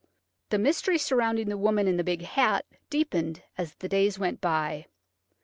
The mystery surrounding the woman in the big hat deepened as the days went by.